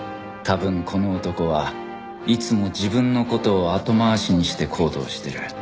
多分この男はいつも自分の事を後回しにして行動している